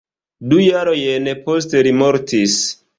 Du jarojn poste li mortis.